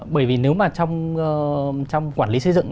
bởi vì nếu mà trong quản lý xây dựng